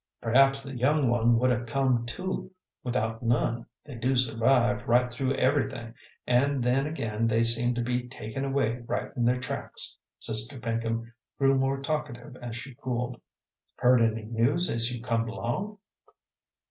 "Perhaps the young one would ha' come to without none; they do survive right through everything, an' then again they seem to be taken away right in their tracks." Sister Pinkham grew more talkative as she cooled. "Heard any news as you come along?"